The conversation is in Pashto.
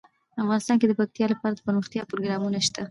افغانستان کې د پکتیکا لپاره دپرمختیا پروګرامونه شته.